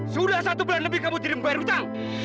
sudah satu bulan lebih kamu tidak membayar hutang